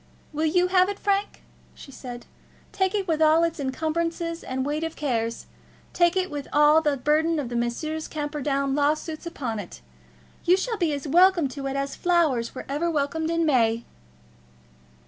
"Will you have it, Frank?" she said. "Take it with all its encumbrances and weight of cares. Take it with all the burthen of Messrs. Camperdown's lawsuits upon it. You shall be as welcome to it as flowers were ever welcomed in May."